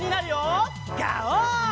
ガオー！